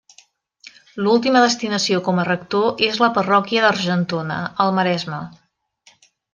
L’última destinació com a rector és la parròquia d’Argentona, al Maresme.